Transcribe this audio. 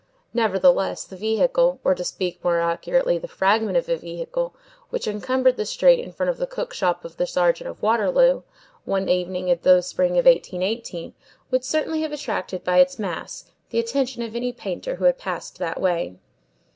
Nevertheless, the vehicle, or, to speak more accurately, the fragment of a vehicle, which encumbered the street in front of the cook shop of the Sergeant of Waterloo, one evening in the spring of 1818, would certainly have attracted, by its mass, the attention of any painter who had passed that way.